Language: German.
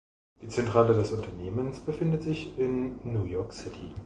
Die Zentrale des Unternehmens befindet sich in New York City.